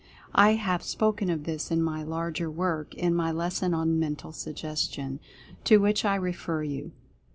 I have spoken of this in my larger work, in my lesson on "Mental Suggestion," to which I refer you.